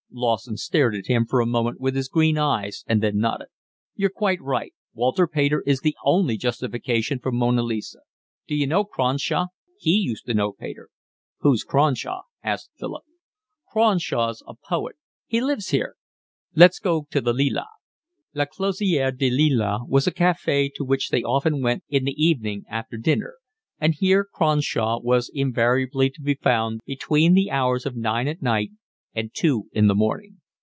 Lawson stared at him for a moment with his green eyes and then nodded. "You're quite right, Walter Pater is the only justification for Mona Lisa. D'you know Cronshaw? He used to know Pater." "Who's Cronshaw?" asked Philip. "Cronshaw's a poet. He lives here. Let's go to the Lilas." La Closerie des Lilas was a cafe to which they often went in the evening after dinner, and here Cronshaw was invariably to be found between the hours of nine at night and two in the morning.